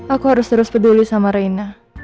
aku harus terus peduli sama reina